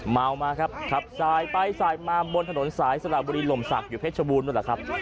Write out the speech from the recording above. เมามาครับขับสายไปสายมาบนถนนสายสระบุรีลมศักดิ์อยู่เพชรบูรณนั่นแหละครับ